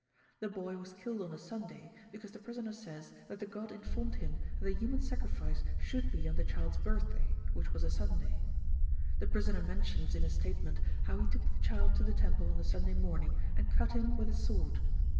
The boy was killed on a Sunday, because the prisoner says that the god informed him that the human sacrifice should be on the child's birthday, which was a Sunday. The prisoner mentions in his statement how he took the child to the temple on the Sunday morning, and cut him with a sword.